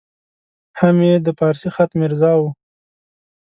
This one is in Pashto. هم یې د فارسي خط میرزا وو.